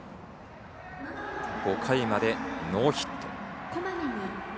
５回までノーヒット。